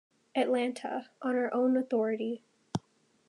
Atlanta: On Our Own Authority!